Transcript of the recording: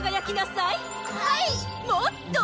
はい！